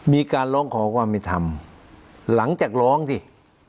มีการร้องขอความเป็นธรรมหลังจากร้องสิ